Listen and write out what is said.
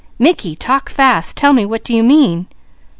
"Mickey, talk fast! Tell me! What do you mean?"